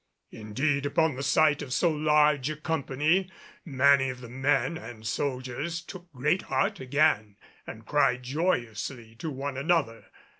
Indeed upon the sight of so large a company many of the men and soldiers took great heart again and cried joyously to one another.